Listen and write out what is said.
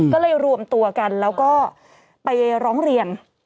ก็เลยรวมตัวกันแล้วก็ไปร้องเรียน